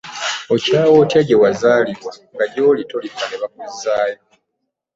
Okyawa otya gye wazaalibwa nga gy'oli tolifa ne bakuzzaayo!